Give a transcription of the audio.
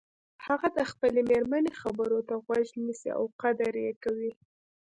هغه د خپلې مېرمنې خبرو ته غوږ نیسي او قدر یی کوي